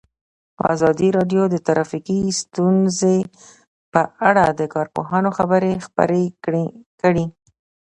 ازادي راډیو د ټرافیکي ستونزې په اړه د کارپوهانو خبرې خپرې کړي.